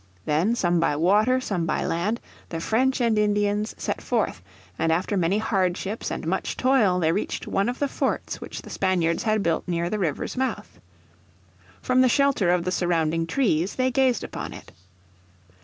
Then some by water, some by land, the French and Indians set forth, and after many hardships and much toil they reached one of the forts which the Spaniards had built near the river Is mouth. From the shelter of the surrounding trees they gazed upon it.